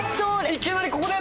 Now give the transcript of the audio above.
いきなりここで！